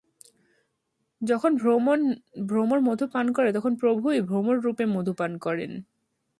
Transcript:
যখন ভ্রমর মধু পান করে, তখন প্রভুই ভ্রমর-রূপে মধু পান করেন।